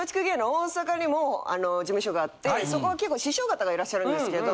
大阪にも事務所があってそこ結構師匠方がいらっしゃるんですけど